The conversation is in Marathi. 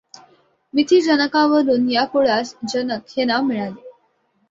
मिथि जनकावरून या कुळास जनक हे नाव मिळाले.